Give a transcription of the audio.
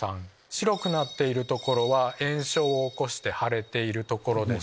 白くなっている所は炎症を起こして腫れている所です。